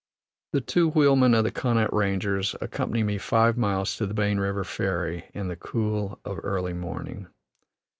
The two wheelmen of the Connaught Rangers, accompany me five miles to the Bane River ferry, in the cool of early morning.